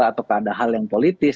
atau ada hal yang politis